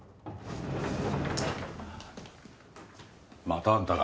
またあんたか。